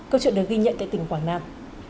câu chuyện được ghi nhận tại tỉnh quảng nam